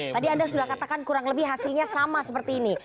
tadi anda sudah katakan kurang lebih hasilnya sama seperti ini